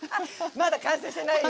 まだ完成してないよ。